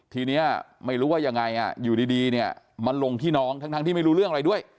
ทีนี้ไม่รู้ว่ายังไงอยู่ดีเนี่ยมันลงที่น้องทั้งที่ไม่รู้เรื่องอะไรด้วย